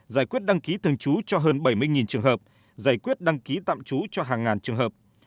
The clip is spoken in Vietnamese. giải quyết đăng ký thường trú cho hơn bảy mươi trường hợp giải quyết đăng ký tạm trú cho hàng ngàn trường hợp